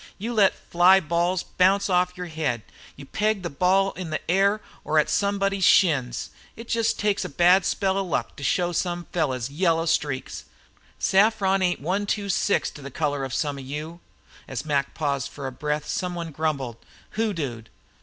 You let fly balls bounce off your head! You pegged the ball in the air or at some body's shins! It just takes a bad spell of luck to show some fellows' yellow streaks. Saffron ain't one two six to the color of some of you." As Mac paused for breath some one grumbled: "Hoodooed!"